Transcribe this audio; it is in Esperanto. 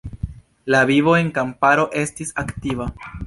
La vivo en kamparo estis aktiva.